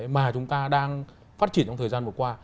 mà chúng ta đang phát triển trong thời gian vừa qua